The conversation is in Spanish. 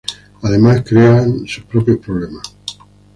Además, crean sus propios problemas.